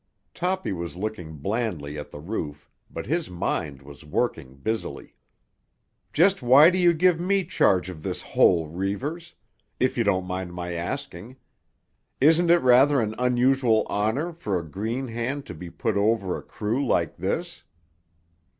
Toppy was looking blandly at the roof, but his mind was working busily. "Just why do you give me charge of this hole, Reivers—if you don't mind my asking? Isn't it rather an unusual honour for a green hand to be put over a crew like this?"